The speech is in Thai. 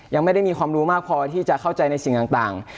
ยังไม่ได้มีความรู้มากพอที่จะเข้าใจในสิ่งต่าง